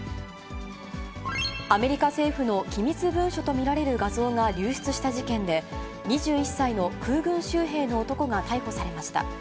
アメリカ政府の機密文書と見られる画像が流出した事件で、２１歳の空軍州兵の男が逮捕されました。